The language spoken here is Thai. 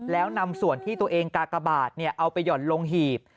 แล้วนำส่วนที่ตัวเองกากบาทเอาไปห่อนลงหีบ